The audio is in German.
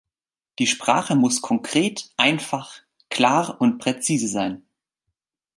Die Sprache muss konkret, einfach, klar und präzise sein.